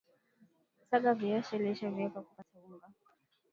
saga viazi lishe vyako ili kupAata unga